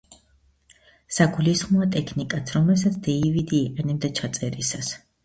საგულისხმოა ტექნიკაც, რომელსაც დეივიდი იყენებდა ჩაწერისას.